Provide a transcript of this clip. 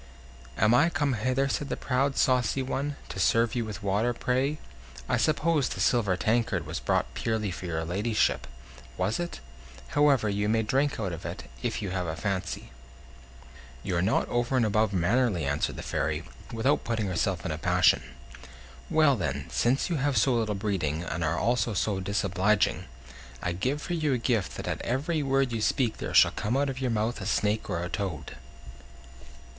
"Am I come hither," said the proud, saucy one, "to serve you with water, pray? I suppose the silver tankard was brought purely for your ladyship, was it? However, you may drink out of it, if you have a fancy." "You are not over and above mannerly," answered the Fairy, without putting herself in a passion. "Well, then, since you have so little breeding, and are so disobliging, I give you for a gift that at every word you speak there shall come out of your mouth a snake or a toad."